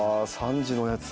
３時のおやつ。